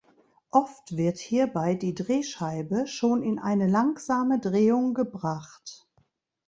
Oft wird hierbei die Drehscheibe schon in eine langsame Drehung gebracht.